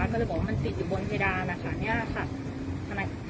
ก็เลยบอกว่ามันติดอยู่บนเพดานนะคะเนี่ยค่ะ